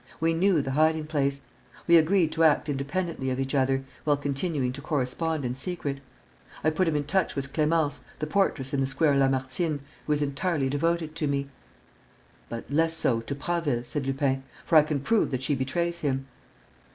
We knew the hiding place. We agreed to act independently of each other, while continuing to correspond in secret. I put him in touch with Clémence, the portress in the Square Lamartine, who was entirely devoted to me...." "But less so to Prasville," said Lupin, "for I can prove that she betrays him."